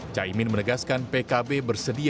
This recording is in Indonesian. caimin menegaskan pkb bersedia